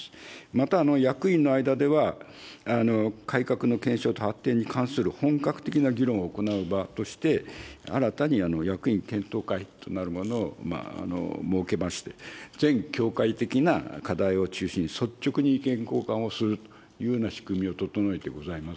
また、役員の間では、改革の検証と発展に関する本格的な議論を行う場として、新たに役員検討会となるものを設けまして、全協会的な課題を中心に、率直に意見交換をするというような仕組みを整えてございます。